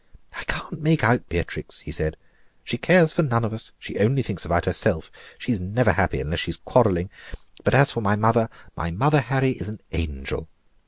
"I can't make out Beatrix," he said; "she cares for none of us she only thinks about herself; she is never happy unless she is quarrelling; but as for my mother my mother, Harry, is an angel."